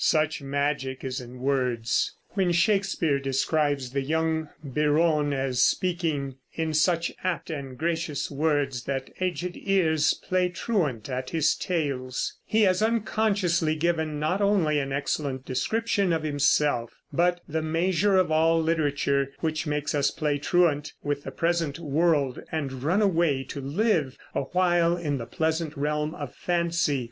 Such magic is in words. When Shakespeare describes the young Biron as speaking In such apt and gracious words That aged ears play truant at his tales, he has unconsciously given not only an excellent description of himself, but the measure of all literature, which makes us play truant with the present world and run away to live awhile in the pleasant realm of fancy.